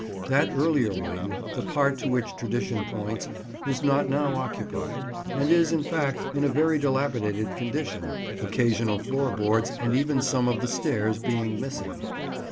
That earlier wing, the part to which tradition points, is not now occupied, and is, in fact, in a very dilapidated condition, occasional floorboards, and even some of the stairs, being missing.